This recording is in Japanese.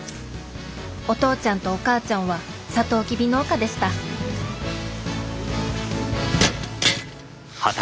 お父ちゃんとお母ちゃんはサトウキビ農家でしたうっ。